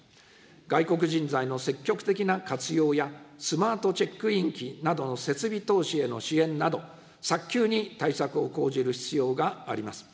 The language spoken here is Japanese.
外国人材の積極的な活用や、スマートチェックイン機などの設備投資への支援など、早急に対策を講じる必要があります。